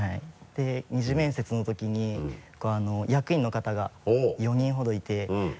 で２次面接のときに役員の方が４人ほどいて。